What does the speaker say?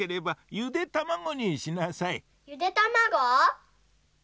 ゆでたまご？